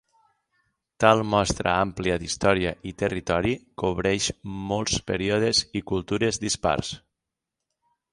Tal mostra àmplia d'història i territori cobreix molts períodes i cultures dispars.